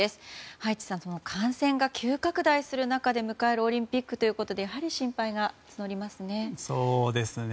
葉一さん、感染が急拡大する中で迎えるオリンピックということでやはり心配が募りますね。